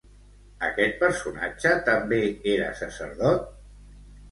Aquest personatge també era sacerdot?